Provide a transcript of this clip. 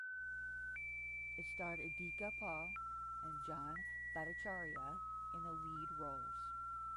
It starred Idhika Paul and John Bhattacharya in the lead roles.